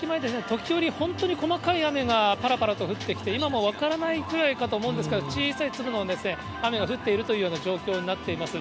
時折、本当に細かい雨がぱらぱらと降ってきて、今も分からないくらいかと思うんですが、小さい粒の雨が降っているというような状況になっています。